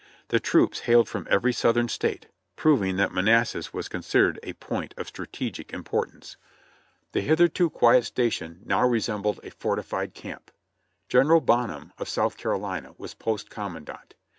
The troops hailed from every Southern State, proving that Man assas was considered a point of great strategic importance ; the BREAKING IN THE VOLUNTEERS 45 hitherto quiet station now resembled a fortified camp. General Bonham, of South Carolina, was post commandant.